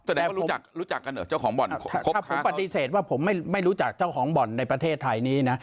รู้จักรู้จักกันเหรอเจ้าของบ่อนถ้าผมปฏิเสธว่าผมไม่รู้จักเจ้าของบ่อนในประเทศไทยนี้นะ